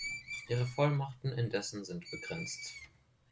Ihre Vollmachten indessen sind begrenzt.